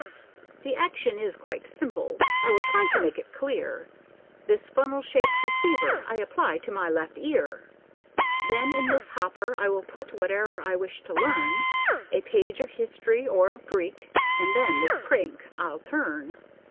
"The action is quite simple I will try to make it clear: This funnel shaped receiver I apply to my left ear; Then in this hopper I will put whate'er I wish to learn A page of history or of Greek, and then this crank I'll turn.